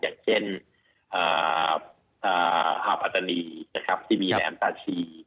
อย่างเช่นอาวุธปัตตานีที่มีแหลมตาชี